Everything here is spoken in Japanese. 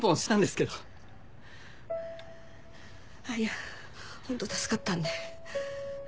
あっいや本当助かったんで。